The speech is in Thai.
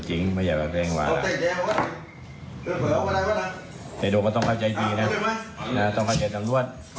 เจ้ายังยิงให้ใช่หรอ